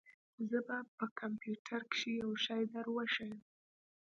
زه به په کمپيوټر کښې يو شى دروښييم.